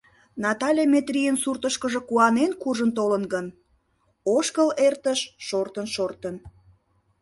Натале Метрийын суртышкыжо куанен куржын тольо гын, ошкыл эртыш шортын-шортын...